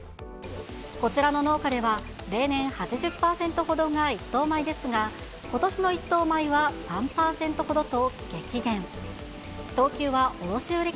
こちらの農家では、例年８０％ほどが一等米ですが、ことしの一等米は３％ほどと、激減。